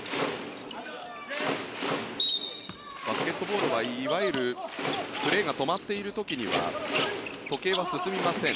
バスケボールは、いわゆるプレーが止まっている時は時計は進みません。